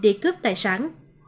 để cướp tài sản